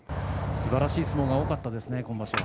すばらしい相撲が多かったですね、今場所は。